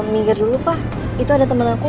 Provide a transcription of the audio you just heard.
minggir dulu pak itu ada temen aku